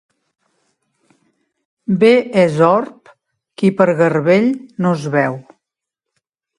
Bé és orb qui per garbell no es veu.